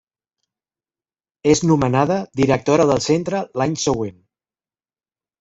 És nomenada directora del centre l'any següent.